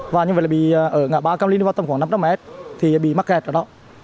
và như vậy là bị ở ngã ba cam linh đi vào tầm khoảng năm trăm linh mét thì bị mắc kẹt ở đó